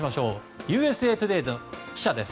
ＵＳＡトゥデーの記者です。